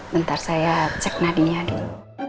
ntar saya cek nadinya dulu